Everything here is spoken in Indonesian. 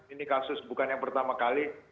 ini kasus bukan yang pertama kali